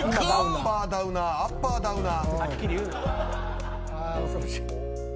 アッパー、ダウナーアッパー、ダウナー。